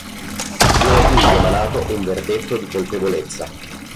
Viene quindi emanato un verdetto di colpevolezza.